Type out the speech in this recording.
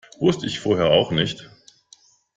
Wusste ich vorher auch nicht.